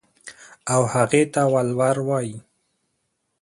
او هغې ته ولور وايو.